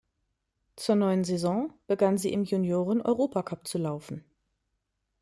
Zur neuen Saison begann sie im Junioren-Europacup zu laufen.